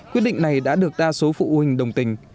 quyết định này đã được đa số phụ huynh đồng tình